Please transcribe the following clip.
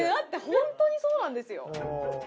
本当にそうなんですよ。